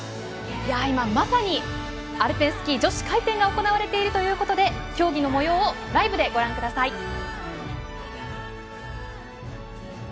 今、まさにアルペンスキー女子回転が行われているということで競技のもようをライブでご覧ください。